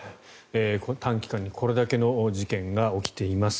短期間にこれだけの事件が起きています。